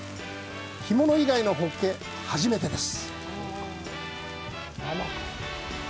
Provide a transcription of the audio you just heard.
干物以外のホッケ、初めてです。